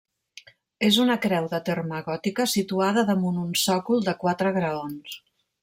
És una creu de terme gòtica situada damunt un sòcol de quatre graons.